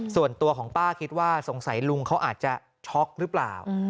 ส่วนตัวของป้าคิดว่าสงสัยลุงเขาอาจจะช็อกหรือเปล่า